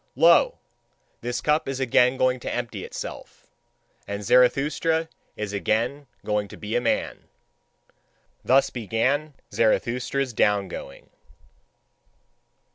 Lo! This cup is again going to empty itself, and Zarathustra is again going to be a man. Thus began Zarathustra's down going.